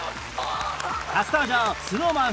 初登場 ＳｎｏｗＭａｎ